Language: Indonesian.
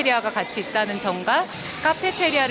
kita bisa menikmati kafe teria